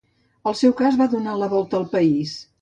El seu cas va donar la volta al país.